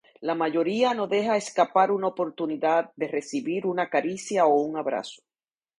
La mayoría no deja escapar una oportunidad de recibir una caricia o un abrazo.